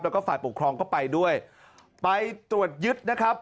แล้วก็ฝ่ายปกครองก็ไปด้วยไปตรวจยึดนะครับ